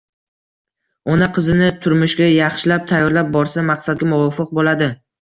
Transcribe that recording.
Ona qizini turmushga yaxshilab tayyorlab borsa, maqsadga muvofiq bo‘ladi.